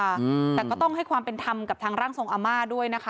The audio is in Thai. อืมแต่ก็ต้องให้ความเป็นธรรมกับทางร่างทรงอาม่าด้วยนะคะ